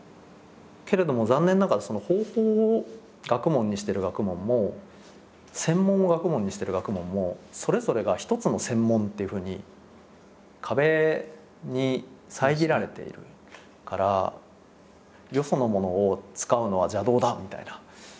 けれども残念ながらその方法を学問にしてる学問も専門を学問にしてる学問もそれぞれが一つの専門っていうふうに壁に遮られているからよそのものを使うのは邪道だみたいな。